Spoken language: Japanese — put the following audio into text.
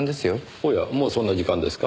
おやもうそんな時間ですか？